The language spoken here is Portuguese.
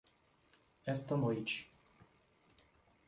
Esta noite